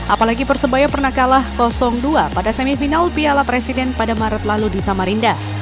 apalagi persebaya pernah kalah dua pada semifinal piala presiden pada maret lalu di samarinda